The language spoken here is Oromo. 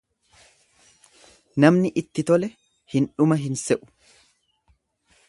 Namni itti tole hin dhuma hin se'u.